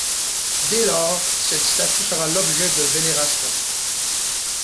Dès lors, cette statue sera l'objet de vénération.